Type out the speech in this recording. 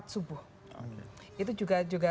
empat subuh itu juga